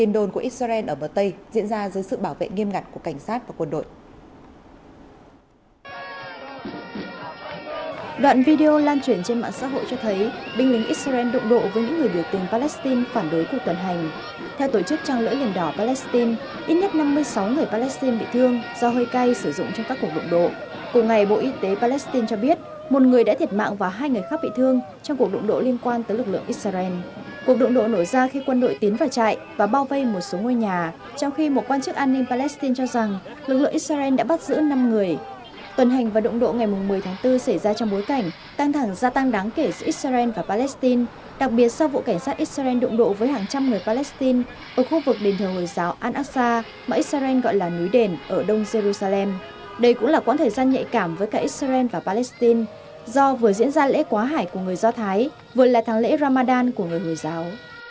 đây cũng là quãng thời gian nhạy cảm với cả israel và palestine do vừa diễn ra lễ quá hải của người do thái vừa là tháng lễ ramadan của người hồi giáo